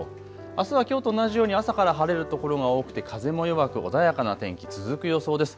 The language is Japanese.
あすはきょうと同じように朝から晴れる所が多くて風も弱く穏やかな天気、続く予想です。